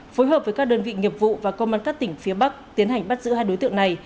phối hợp với các đơn vị nghiệp vụ và công an các tỉnh phía bắc tiến hành bắt giữ hai đối tượng này